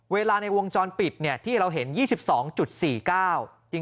เวลาในวงจรปิดเนี่ยที่เราเห็น๒๒๔๙